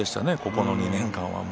この２年間は。